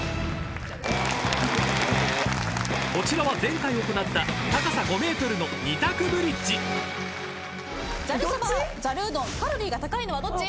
［こちらは前回行った高さ５ｍの２択ブリッジ］どっち？